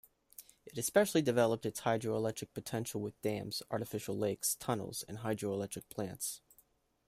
It especially developed its hydroelectric potential with dams, artificial lakes, tunnels, and hydroelectric plants.